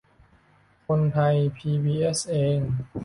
คนไทยพีบีเอสเอง